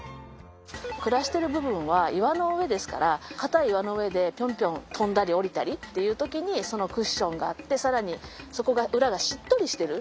暮らしている部分は岩の上ですから固い岩の上でピョンピョン跳んだり下りたりっていう時にそのクッションがあって更にそこが裏がしっとりしてる。